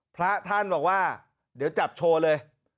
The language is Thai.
พระท่านบอกว่าเดี๋ยวจับโชว์เลย